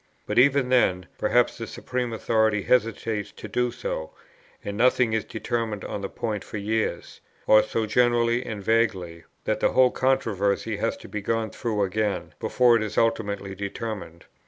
But even then, perhaps the supreme authority hesitates to do so, and nothing is determined on the point for years: or so generally and vaguely, that the whole controversy has to be gone through again, before it is ultimately determined.